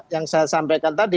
yang saya sampaikan tadi